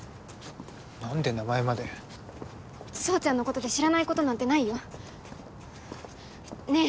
何で名前まで宗ちゃんのことで知らないことなんてないよねえ